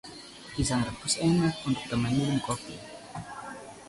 pisang rebus enak untuk teman minum kopi